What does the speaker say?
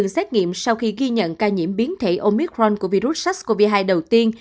xét nghiệm sau khi ghi nhận ca nhiễm biến thể omicron của virus sars cov hai đầu tiên